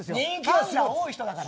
ファンが多い人だから。